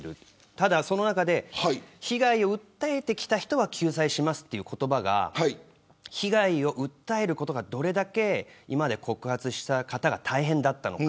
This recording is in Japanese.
ただ、その中で被害を訴えてきた人は救済しますという言葉が被害を訴えることがどれだけ今まで告発した方が大変だったのか。